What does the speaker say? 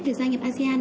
việc gia nhập asean